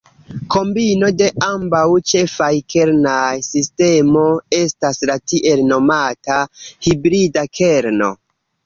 Kombino de ambaŭ ĉefaj kernaj sistemoj estas la tiel nomata "hibrida kerno".